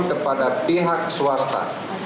kepada pihak swasta